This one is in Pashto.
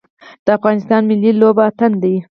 د افغانستان ملي لوبه اتن دی